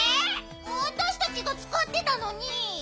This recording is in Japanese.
あたしたちがつかってたのに。